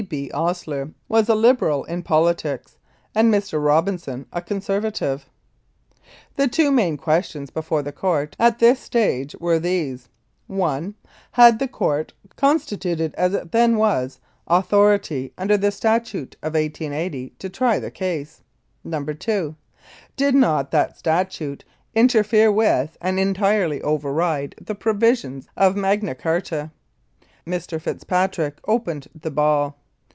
B. Osier was a Liberal in politics, and Mr. Robinson a Conservative. The two main questions before the Court at this stage were these : (i) Had the Court, constituted as it then was, authority under the statute of 1880 to try the case? (2) Did not that statute interfere with and entirely override the provisions of Magna Charta ? Mr. Fitzpatrick opened the ball.